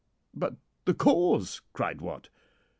"'But the cause?' cried Wat.